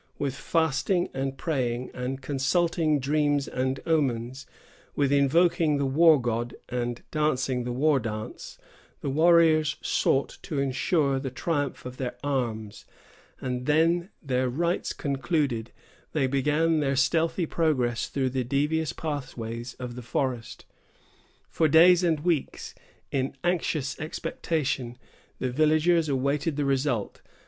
With fasting and praying, and consulting dreams and omens, with invoking the war god, and dancing the war dance, the warriors sought to insure the triumph of their arms, and then, their rites concluded, they began their stealthy progress through the devious pathways of the forest. For days and weeks, in anxious expectation, the villagers awaited the result.